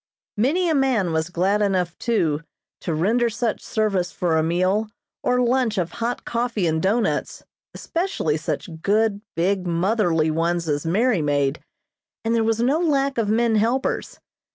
Many a man was glad enough, too, to render such service for a meal or lunch of hot coffee and doughnuts, especially such good, big, motherly ones as Mary made, and there was no lack of men helpers.